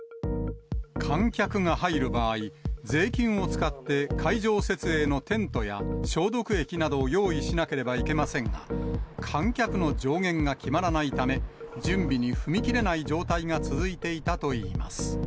観客が入る場合、税金を使って会場設営のテントや、消毒液などを用意しなければいけませんが、観客の上限が決まらないため、準備に踏み切れない状態が続いていたといいます。